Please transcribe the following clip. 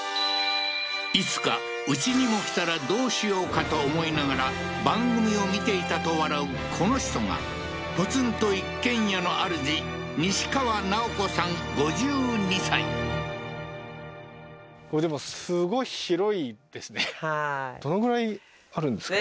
いつかうちにも来たらどうしようかと思いながら番組を見ていたと笑うこの人がポツンと一軒家のあるじこれでもあるんですか？